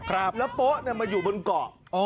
แล้วโป๊ะมาอยู่บนเกาะ